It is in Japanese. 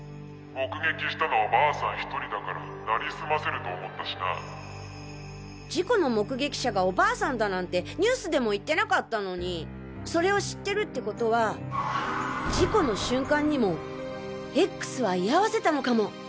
目撃したのは婆さん１人だからなりす事故の目撃者がお婆さんだなんてニュースでも言ってなかったのにそれを知ってるってことは事故の瞬間にもＸは居合わせたのかも！